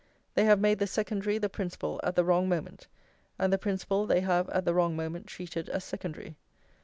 They have made the secondary the principal at the wrong moment, and the principal they have at the wrong moment treated as secondary.